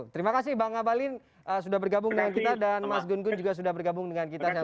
terima kasih bang abalin sudah bergabung dengan kita dan mas gun gun juga sudah bergabung dengan kita